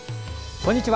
こんにちは。